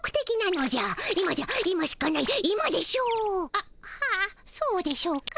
あっはあそうでしょうか。